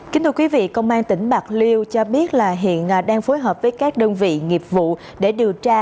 kính thưa quý vị công an tỉnh bạc liêu cho biết là hiện đang phối hợp với các đơn vị nghiệp vụ để điều tra